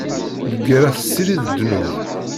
Lgerra tessirid ddnub.